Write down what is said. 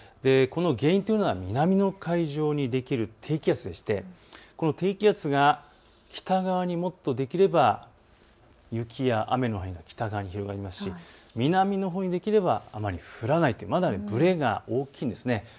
この原因というのは南の海上にできる低気圧でして低気圧が北側にもっとできれば雪や雨の範囲になりますし南のほうにできればあまり降らないとぶれが大きいんです。